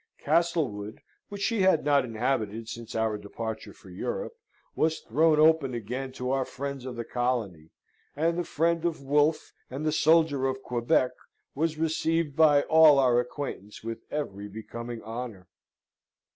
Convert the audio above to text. Castlewood, which she had not inhabited since our departure for Europe, was thrown open again to our friends of the colony; and the friend of Wolfe, and the soldier of Quebec, was received by all our acquaintance with every becoming honour.